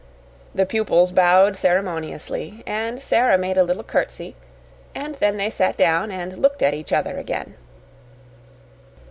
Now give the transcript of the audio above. The pupils bowed ceremoniously, and Sara made a little curtsy, and then they sat down and looked at each other again.